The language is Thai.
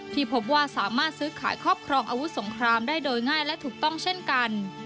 ที่พบว่าสามารถซื้อขายครอบครองอาวุธสงครามได้โดยง่ายและถูกต้องเช่นกัน